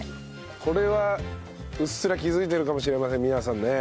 これはうっすら気づいてるかもしれません皆さんね。